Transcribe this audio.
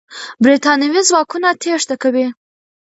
برتانوي ځواکونه تېښته کوي.